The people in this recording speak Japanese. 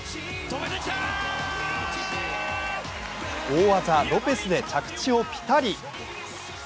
大技・ロペスで着地をピタリ。